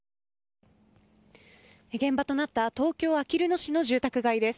現場となった東京・あきる野市の住宅街です。